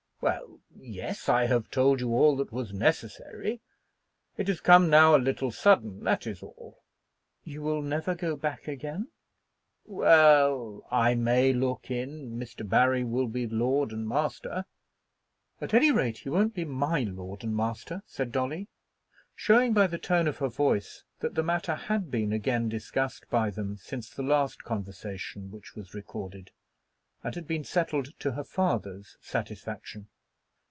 "Well, yes; I have told you all that was necessary. It has come now a little sudden, that is all." "You will never go back again?" "Well, I may look in. Mr. Barry will be lord and master." "At any rate he won't be my lord and master!" said Dolly, showing by the tone of her voice that the matter had been again discussed by them since the last conversation which was recorded, and had been settled to her father's satisfaction.